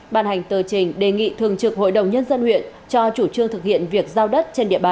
ban hành tờ trình đề nghị thường trực hội đồng nhân dân huyện cho chủ trương thực hiện việc giao đất trên địa bàn